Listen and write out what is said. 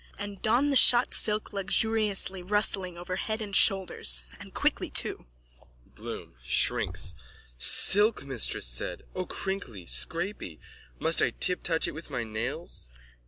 and don the shot silk luxuriously rustling over head and shoulders. And quickly too! BLOOM: (Shrinks.) Silk, mistress said! O crinkly! scrapy! Must I tiptouch it with my nails?